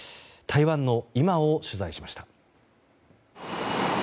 台湾の今を取材しました。